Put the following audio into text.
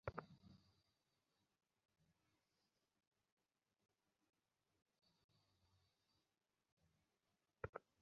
আমাকে বিশ্রাম নিতে আর প্রস্তুত হতে সাহায্য করেন।